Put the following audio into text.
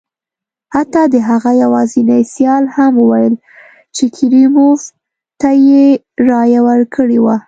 حتی د هغه یوازیني سیال هم وویل چې کریموف ته یې رایه ورکړې وه.